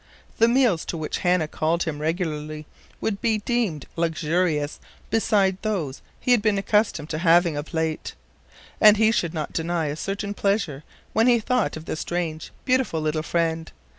The meals to which Hannah called him regularly would be deemed luxurious beside those he had been accustomed to having of late, and he could not deny a certain pleasure when he thought of the strange, beautiful little friend.